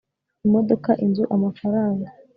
imodoka… inzu… amafaranga